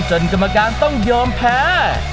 กรรมการต้องยอมแพ้